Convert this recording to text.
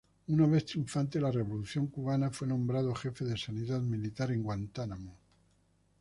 Una vez triunfante la Revolución cubana fue nombrado Jefe de Sanidad Militar en Guantánamo.